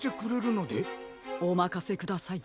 おまかせください。